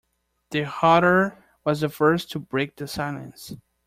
The Hatter was the first to break the silence.